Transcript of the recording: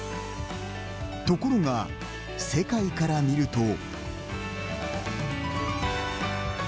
ところが、世界から見ると。